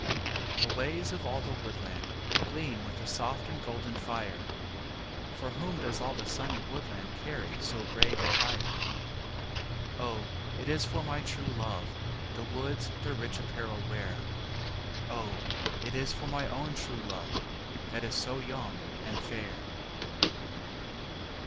The ways of all the woodland Gleam with a soft and golden fireâ For whom does all the sunny woodland Carry so brave attire? O, it is for my true love The woods their rich apparel wearâ O, it is for my own true love, That is so young and fair.